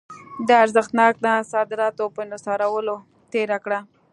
د ارزښتناکه صادراتو په انحصارولو تېره کړه.